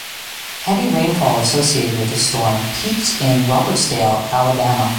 Heavy rainfall associated with the storm peaked at in Robertsdale, Alabama.